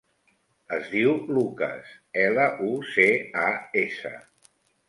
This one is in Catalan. Es diu Lucas: ela, u, ce, a, essa.